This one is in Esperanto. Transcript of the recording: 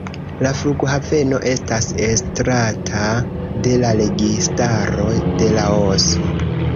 La flughaveno estas estrata de la registaro de Laoso.